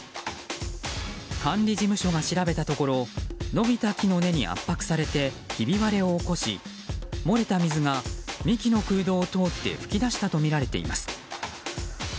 管理事務所が調べたところ伸びた木の根に圧迫されて、ひび割れを起こし漏れた水が幹の空洞を通って噴き出したとみられています。